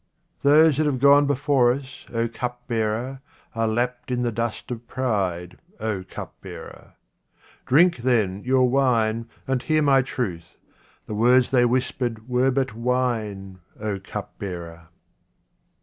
Those that have gone before us, O cupbearer, are lapped in the dust of pride, O cupbearer ; drink, then, your wine, and hear my truth ; the words they whispered were but wine, O cup bearer.